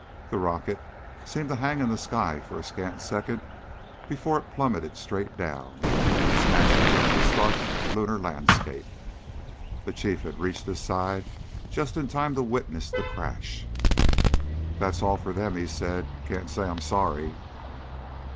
The rocket seemed to hang in the sky for a scant second before it plummeted straight down, smashing into the stark lunar landscape. The Chief had reached his side just in time to witness the crash. "That's all for them," he said. "Can't say I'm sorry."